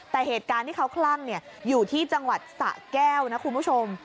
แต่เหตุการณ์ที่เขาคลั่งอยู่ที่จังหวัดสะแก้วนะคุณผู้ชม